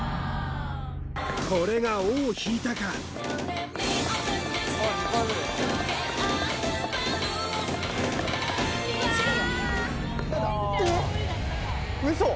これが尾を引いたかウソ！